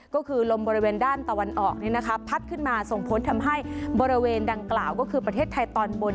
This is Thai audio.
ก็คือลมบริเวณด้านตะวันออกพัดขึ้นมาส่งผลทำให้บริเวณดังกล่าวก็คือประเทศไทยตอนบน